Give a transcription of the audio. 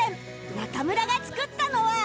中村が作ったのは